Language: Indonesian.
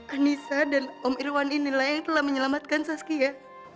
anissa dan om irwan inilah yang telah menyelamatkan saskia